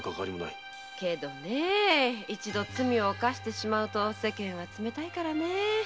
けどね一度罪を犯すと世間は冷たいからねぇ。